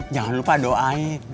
jangan lupa doain